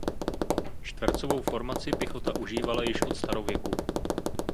Čtvercovou formaci pěchota užívala již od starověku.